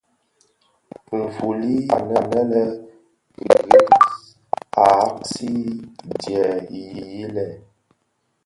Nfuli anë lè Gremisse a ghaksi jèè yilè.